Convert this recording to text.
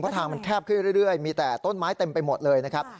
ทางมันแคบขึ้นเรื่อยมีแต่ต้นไม้เต็มไปหมดเลยนะครับ